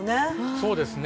そうですね。